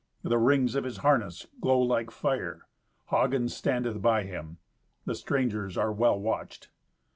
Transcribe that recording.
The rings of his harness glow like fire. Hagen standeth by him. The strangers are well watched."